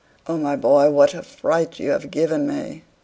"Oh, my boy! what a fright you have given me!"